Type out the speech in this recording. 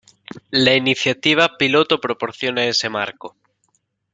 La iniciativa piloto proporciona ese marco.